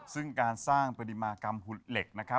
ซึ่งการสร้างปฏิมากรรมหุ่นเหล็กนะครับ